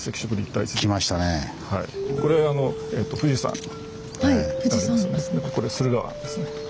これ駿河湾ですね。